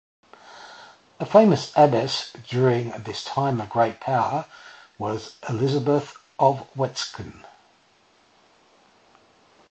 A famous abbess during this time of great power was Elisabeth of Wetzikon.